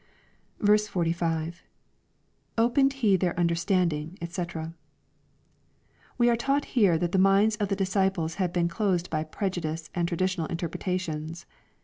46. — [Opened he their understanding^ <fec.] We are taught here that the minds of the disciples had been closed by prejudice and tra ditional interpretations.